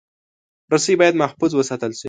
رسۍ باید محفوظ وساتل شي.